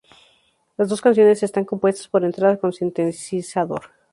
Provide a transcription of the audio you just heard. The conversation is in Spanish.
Las dos canciones están compuestas por entradas con sintetizador.